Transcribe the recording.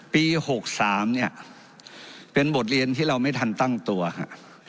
ปี๖๓เนี่ยเป็นบทเรียนที่เราไม่ทันตั้งตัวครับ